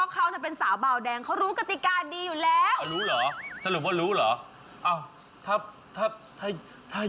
ก็เดี๋ยวลาให้ฟัง